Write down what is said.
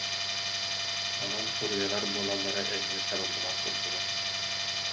Онон туруйалар буолаллара эмиэ табыллыбат курдуга